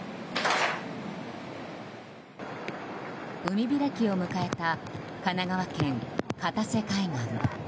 海開きを迎えた神奈川県片瀬海岸。